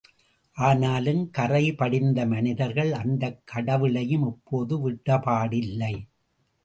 ஆனாலும் கறை படிந்த மனிதர்கள் அந்தக் கடவுளையும் இப்போது விட்ட பாடில்லை.